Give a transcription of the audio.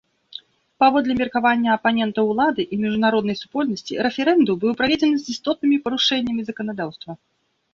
Паводле меркавання апанентаў улады і міжнароднай супольнасці, рэферэндум быў праведзены з істотнымі парушэннямі заканадаўства.